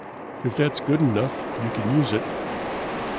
"If that's good enough you can use it."